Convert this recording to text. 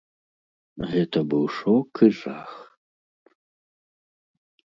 Гэта быў шок і жах.